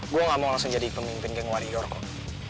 gue gak mau langsung jadi pemimpin geng warrior kok